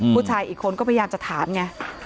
ผู้ชายอีกคนก็พยายามจะถามไง